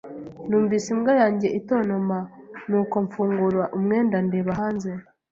Numvise imbwa yanjye itontoma, nuko mfungura umwenda, ndeba hanze.